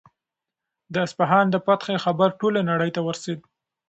د اصفهان د فتحې خبر ټولې نړۍ ته ورسېد.